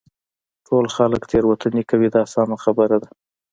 ټول خلک تېروتنې کوي دا سمه خبره ده.